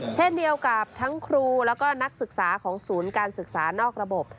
เช่นเดียวกับทั้งครูแล้วก็นักศึกษาของศูนย์การศึกษานอกระบบ